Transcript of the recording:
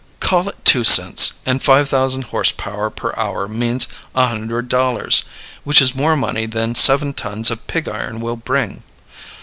Call it two cents, and five thousand horse power per hour means a hundred dollars, which is more money than seven tons of pig iron will bring.